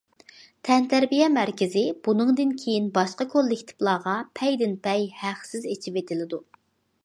تەنتەربىيە مەركىزى بۇنىڭدىن كېيىن باشقا كوللېكتىپلارغا پەيدىنپەي ھەقسىز ئېچىۋېتىلىدۇ.